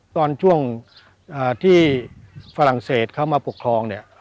ตอนช่วงที่ฝรั่งเศสเข้ามาปกครองเนี่ย